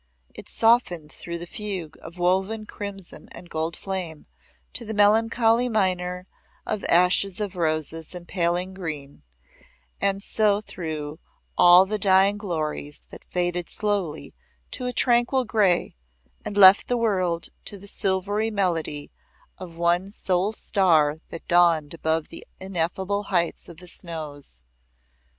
It softened through the fugue of woven crimson gold and flame, to the melancholy minor of ashes of roses and paling green, and so through all the dying glories that faded slowly to a tranquil grey and left the world to the silver melody of one sole star that dawned above the ineffable heights of the snows.